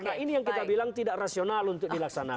nah ini yang kita bilang tidak rasional untuk dilaksanakan